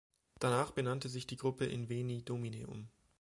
Danach benannte sich die Gruppe in Veni Domine um.